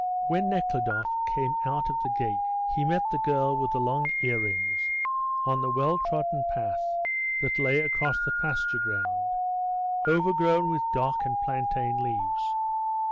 When Nekhludoff came out of the gate he met the girl with the long earrings on the well trodden path that lay across the pasture ground, overgrown with dock and plantain leaves.